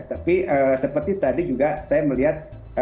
tapi seperti tadi juga saya melihat